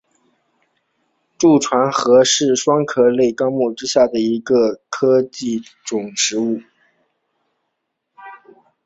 蛀船蛤科是双壳纲海螂目之下的一科海洋动物。